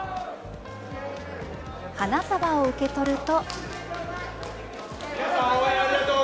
花束を受け取ると。